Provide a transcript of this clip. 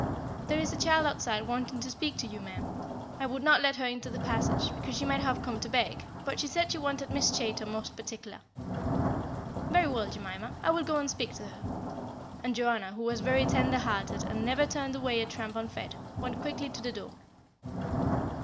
"There is a child outside wanting to speak to you, ma'am. I would not let her into the passage, because she might have come to beg; but she said she wanted Miss Chaytor most particular." "Very well, Jemima, I will go and speak to her;" and Joanna, who was very tender hearted and never turned away a tramp unfed, went quickly to the door.